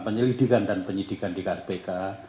penyelidikan dan penyidikan di kpk